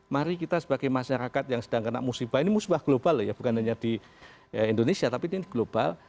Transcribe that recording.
mari kita sebagai masyarakat yang sedang kena musibah ini musibah global ya bukan hanya di indonesia tapi ini global